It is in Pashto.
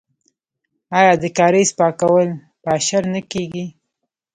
آیا د کاریز پاکول په اشر نه کیږي؟